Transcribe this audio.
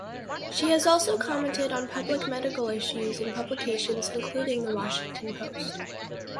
She has also commented on public medical issues in publications including the "Washington Post".